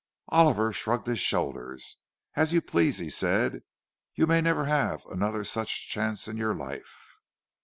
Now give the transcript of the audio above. Oliver shrugged his shoulders. "As you please," he said. "You may never have another such chance in your life."